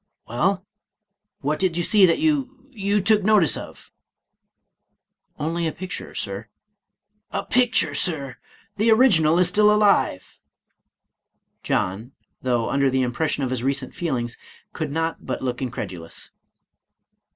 " Well, what did you see that you— you took notice of?" "Only a picture. Sir." " A picture. Sir !— the original is still alive." John, though under the impression of his recent feelings, could not but look incredulous.